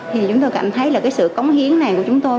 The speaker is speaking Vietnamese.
thì chúng tôi cảm thấy là cái sự cống hiến này của chúng tôi